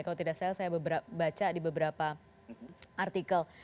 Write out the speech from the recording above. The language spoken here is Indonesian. kalau tidak salah saya baca di beberapa artikel